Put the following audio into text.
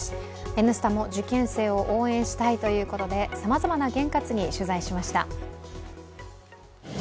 「Ｎスタ」も受験生を応援したいということでさまざまな験担ぎ、取材しました。